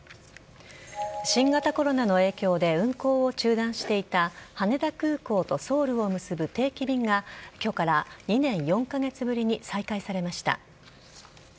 新型コロナの影響で運航を中断していた羽田空港とソウルを結ぶ定期便が今日から２年４カ月ぶりに再開されました。